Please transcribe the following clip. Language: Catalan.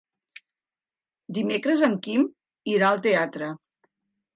Dimecres en Quim irà al teatre.